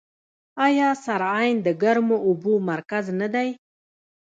آیا سرعین د ګرمو اوبو مرکز نه دی؟